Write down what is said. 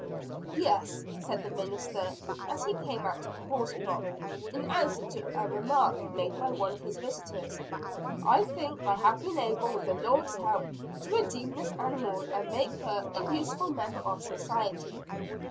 "Yes," said the minister, as he came out to the horse block, in answer to a remark made by one of his visitors, "I think I have been able with the Lord's help, to redeem this animal and make her a useful member of society.